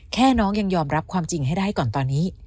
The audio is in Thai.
น้องยังยอมรับความจริงให้ได้ก่อนตอนนี้